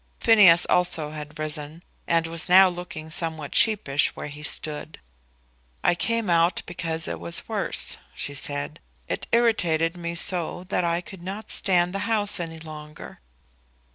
Phineas also had risen, and was now looking somewhat sheepish where he stood. "I came out because it was worse," she said. "It irritated me so that I could not stand the house any longer."